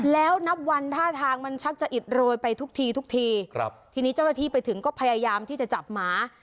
แล้วนับวันท่าทางมันชักจะอิดโรยไปทุกทีทุกทีครับทีนี้เจ้าหน้าที่ไปถึงก็พยายามที่จะจับหมา